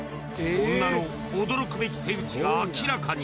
女の驚くべき手口が明らかに。